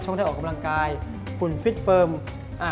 เริ่มขาดบ้างรึว่า